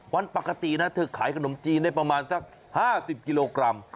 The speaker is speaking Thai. วันปกตินะเธอขายขนมจีนได้ประมาณสัก๕๐กิโลกรัม